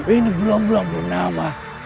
ini belum belum pernah pak